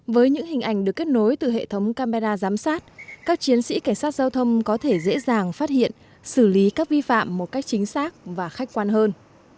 với những hình ảnh được kết nối từ hệ thống camera giám sát các chiến sĩ cảnh sát giao thông có thể dễ dàng phát hiện xử lý các vi phạm một cách chính xác và khách quan hơn